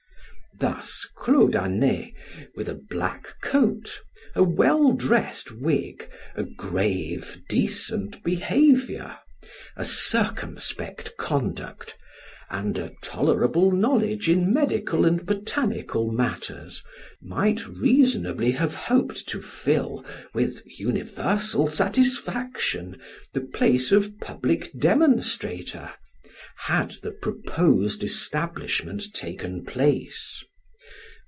Thus Claude Anet, with a black coat, a well dressed wig, a grave, decent behavior, a circumspect conduct, and a tolerable knowledge in medical and botanical matters, might reasonably have hoped to fill, with universal satisfaction, the place of public demonstrator, had the proposed establishment taken place.